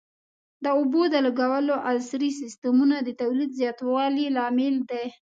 د اوبو د لګولو عصري سیستمونه د تولید زیاتوالي لامل دي.